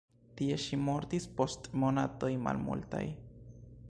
Tie ŝi mortis post monatoj malmultaj.